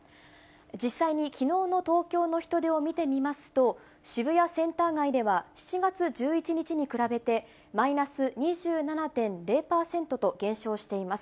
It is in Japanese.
実際にきのうの東京の人出を見てみますと、渋谷センター街では、７月１１日に比べてマイナス２７．０％と減少しています。